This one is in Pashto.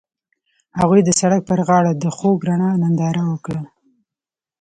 هغوی د سړک پر غاړه د خوږ رڼا ننداره وکړه.